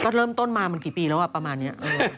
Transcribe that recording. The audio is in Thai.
ก็ต้องเริ่มต้นมาก่อนกี่ปีแล้วอะประมาณนี้